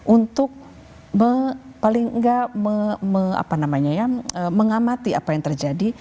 untuk paling tidak mengamati apa yang terjadi